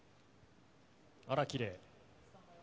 あら、きれい。